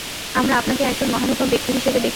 আমরা আপনাকে একজন মহানুভব ব্যক্তি হিসেবে দেখছি।